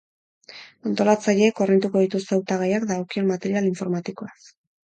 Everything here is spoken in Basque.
Antolatzaileek hornituko dituzte hautagaiak dagokion material informatikoaz.